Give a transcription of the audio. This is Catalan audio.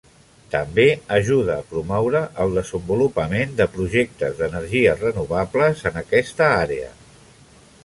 També ajuda a promoure el desenvolupament de projectes d'energies renovables en aquesta àrea.